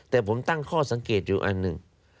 แต่ผมตั้งข้อสังเกตอยู่อันหนึ่ง